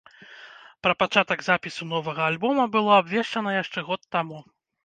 Пра пачатак запісу новага альбома было абвешчана яшчэ год таму.